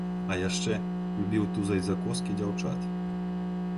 А яшчэ любіў тузаць за коскі дзяўчат.